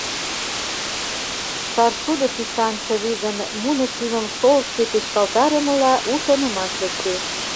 Шаршудо тӱсан чывигын муно шӱмым шолтке печкалтарымыла, у шонымаш лектеш.